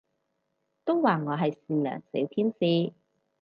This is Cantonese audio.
都話我係善良小天使